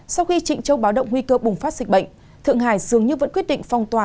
sau khi trịnh châu báo động nguy cơ bùng phát dịch bệnh thượng hải dường như vẫn quyết định phong tỏa